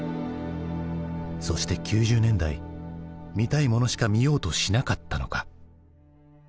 そして９０年代見たいものしか見ようとしなかったのか。